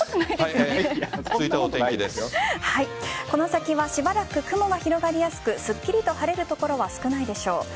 この先はしばらく雲が広がりやすくすっきりと晴れる所は少ないでしょう。